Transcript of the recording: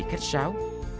không cầu kỳ